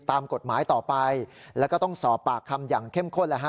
ตามกฎหมายต่อไปแล้วก็ต้องสอบปากคำอย่างเข้มข้นแล้วฮะ